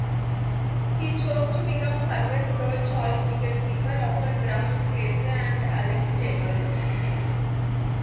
He chose to become Surrey's third-choice wicket-keeper after Graham Kersey and Alec Stewart.